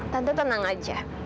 tante tenang aja